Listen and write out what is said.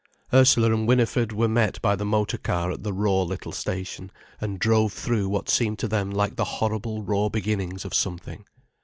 Ursula and Winifred were met by the motor car at the raw little station, and drove through what seemed to them like the horrible raw beginnings of something.